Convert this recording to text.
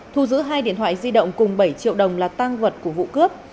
thu giữ hai điện thoại di động cùng bảy triệu đồng là tang vật của vụ cướp